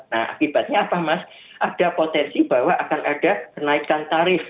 nah akibatnya apa mas ada potensi bahwa akan ada kenaikan tarif